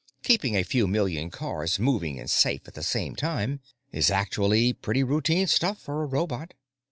Keeping a few million cars moving and safe at the same time is actually pretty routine stuff for a robot.